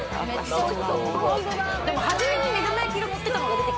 初めに目玉焼きがのってたのが出てきたんです。